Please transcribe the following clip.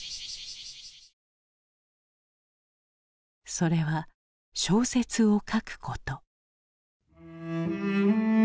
それは小説を書くこと。